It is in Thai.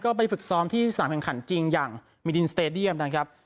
ก็ไปฝึกซ้อมที่สนามแรงขันจริงอย่างนะครับ